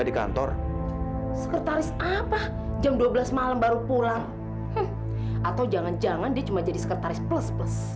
di kantor sekretaris apa jam dua belas malam baru pulang atau jangan jangan dia cuma jadi sekretaris plus plus